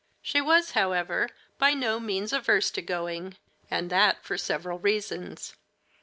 She was, however, by no means averse to going, and that for several reasons.